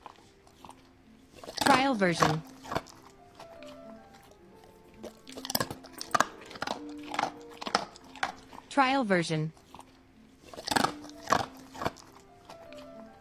Rather than franchise, Orfalea formed partnerships with each individual store's local co-owners.